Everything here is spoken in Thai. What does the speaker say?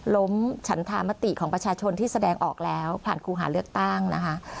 ฉันธามติของประชาชนที่แสดงออกแล้วผ่านครูหาเลือกตั้งนะคะ